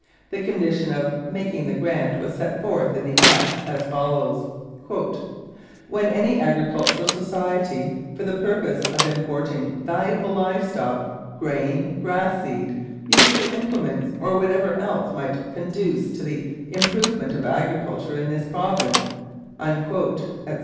The condition of making the grant was set forth in the act as follows: 'When any Agricultural Society, for the purpose of importing valuable live stock, grain, grass seeds, useful implements or whatever else might conduce to the improvement of agriculture in this Province,' etc.